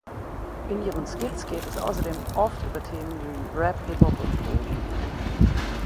In ihren Skits geht es außerdem oft über Themen wie Rap, Hip-Hop und Drogen.